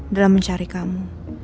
dalam mencari kamu